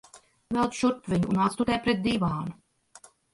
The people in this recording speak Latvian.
Velc šurp viņu un atstutē pret dīvānu.